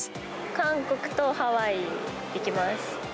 韓国とハワイに行きます。